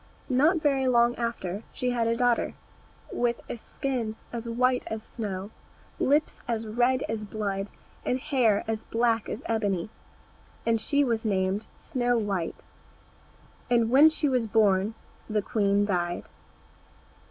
Not very long after she had a daughter, with a skin as white as snow, lips as red as blood, and hair as black as ebony, and she was named Snow white. And when she was born the queen died.